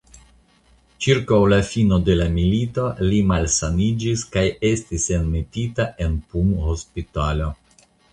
Ĉirkaŭ la fino de la milito li malsaniĝis kaj estis enmetita en punhospitalo.